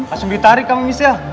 langsung ditarik sama michelle